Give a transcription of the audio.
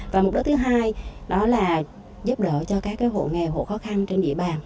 và mục đích thứ hai đó là giúp đỡ cho các hộ nghèo hộ khó khăn trên địa bàn